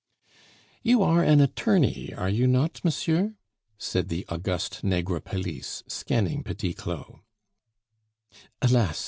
"You are an attorney, are you not, monsieur?" said the august Negrepelisse, scanning Petit Claud. "Alas!